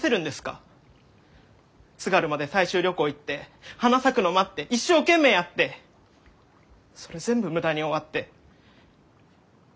津軽まで採集旅行行って花咲くの待って一生懸命やってそれ全部無駄に終わって。